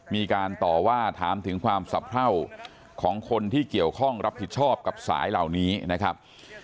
มีการต่อว่าถามถึงความสะเพราของคนที่เกี่ยวข้องรับผิดชอบกับสายเหล่านี้นะครับ